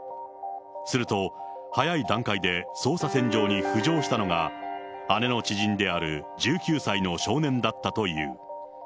すると、早い段階で捜査線上に浮上したのが、姉の知人である、１９歳の少年だったという。